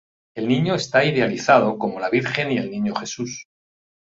El niño está idealizado como la Virgen y el Niño Jesús.